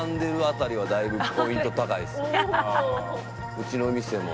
うちの店も。